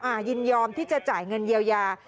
ยินยอมที่จะจ่ายเงินเยียวยา